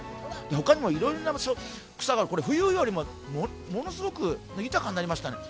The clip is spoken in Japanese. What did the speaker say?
他にもいろいろな草が、冬よりもものすごく豊かになりましたね。